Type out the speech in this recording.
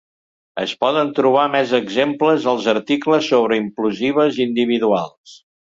Es poden trobar més exemples als articles sobre implosives individuals.